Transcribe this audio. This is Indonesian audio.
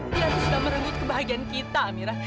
dia tuh sudah merenggut kebahagiaan kita amira